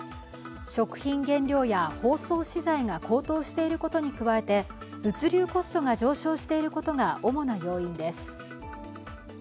食品原料や包装資材が高騰していることに加えて物流コストが上昇していることが主な要因です。